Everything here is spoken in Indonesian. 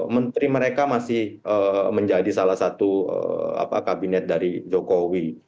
menteri mereka masih menjadi salah satu kabinet dari jokowi